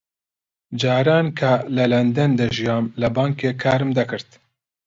جاران کە لە لەندەن دەژیام لە بانکێک کارم دەکرد.